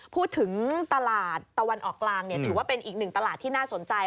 พูดถึงตลาดตะวันออกกลางถือว่าเป็นอีกหนึ่งตลาดที่น่าสนใจ